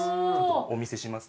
お見せします。